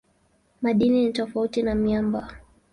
Madini ni tofauti na miamba.